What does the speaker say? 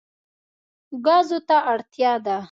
ګازو ته اړتیا ده.